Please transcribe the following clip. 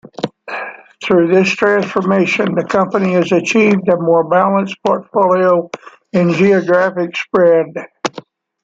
Through this transformation the company has achieved a more balanced portfolio and geographic spread.